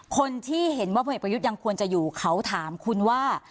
คนที่เห็นว่าพลเอกประยุทธ์ยังควรจะอยู่เขาถามคุณว่า